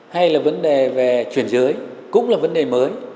hay là vấn đề về chuyển giới cũng là vấn đề mới